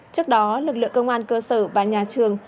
trước đó lực lượng công an cơ sở và nhà trường